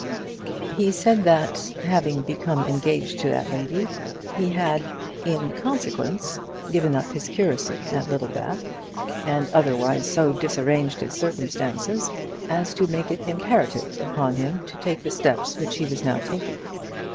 He said, that having become engaged to that lady, he had, in consequence, given up his curacy at Littlebath, and otherwise so disarranged his circumstances, as to make it imperative upon him to take the steps which he was now taking.